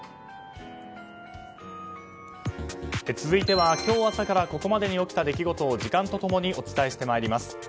続いては今日朝からここまでに起きた出来事を時間と共にお伝えしてまいります。